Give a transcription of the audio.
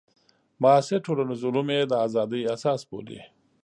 معاصر ټولنیز علوم یې د ازادۍ اساس بولي.